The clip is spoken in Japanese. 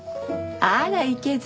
あらいけず。